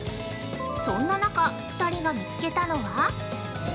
そんな中、２人が見つけたのは◆